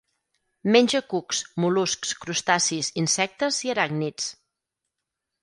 Menja cucs, mol·luscs, crustacis, insectes i aràcnids.